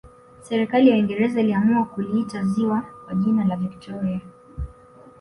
serikali ya uingereza iliamua kuliita ziwa kwa jina la victoria